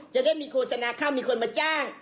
จะได้มีโฆษณาเข้ามีคนมาจ้าง